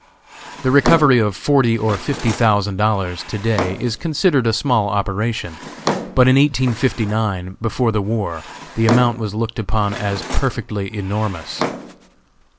The recovery of forty or fifty thousand dollars, to day, is considered a small operation; but in 1859, before the war, the amount was looked upon as perfectly enormous.